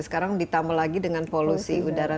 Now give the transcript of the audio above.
sekarang ditambah lagi dengan polusi udara